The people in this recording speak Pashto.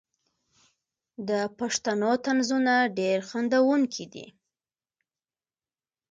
د پښتنو طنزونه ډیر خندونکي دي.